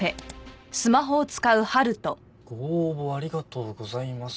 「ご応募ありがとうございます」